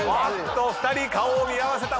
２人顔を見合わせた。